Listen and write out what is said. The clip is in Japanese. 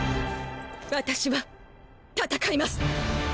私は戦います！